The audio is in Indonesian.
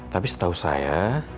tapi setahu saya